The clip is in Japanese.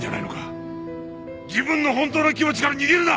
自分の本当の気持ちから逃げるな！